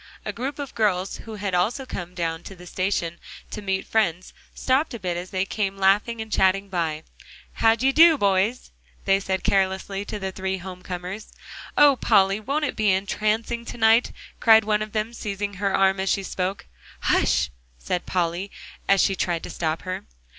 A group of girls, who had also come down to the station to meet friends, stopped a bit as they came laughing and chatting by. "How d'ye, boys?" they said carelessly to the three home comers. "Oh, Polly! won't it be entrancing to night?" cried one of them, seizing her arm as she spoke. "Hush!" said Polly, as she tried to stop her.